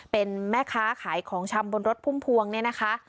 เป็นแม่ค้าขายของชำบนรถพุ่มพวงเนี่ยนะคะ